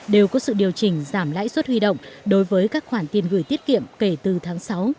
đều có sự điều chỉnh giảm lãi suất huy động đối với các khoản tiền gửi tiết kiệm kể từ tháng sáu